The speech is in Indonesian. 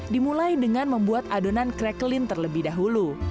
pembuatan sous perancis membuat adonan croqueline terlebih dahulu